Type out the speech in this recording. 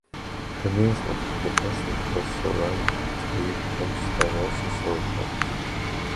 Remains of the defensive walls surrounding the three tombs have also survived.